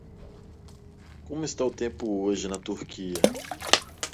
Como está o tempo hoje na Turquia?